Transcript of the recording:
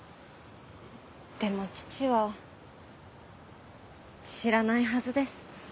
でも父は知らないはずです。